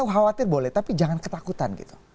khawatir boleh tapi jangan ketakutan gitu